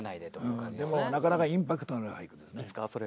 でもなかなかインパクトのある俳句ですね。